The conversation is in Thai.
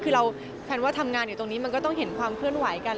คือเราแพลนว่าทำงานอยู่ตรงนี้มันก็ต้องเห็นความเคลื่อนไหวกัน